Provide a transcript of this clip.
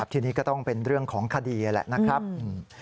ทีนี้ก็ต้องเป็นเรื่องของคดีแหละนะครับ